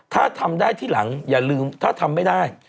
ถ้าทำได้ที่หลังอย่าลืมถ้าทำไม่ได้